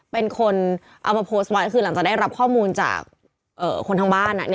เป็นคนเอามาโพสต์ไว้คือหลังจากได้รับข้อมูลจากคนทางบ้าน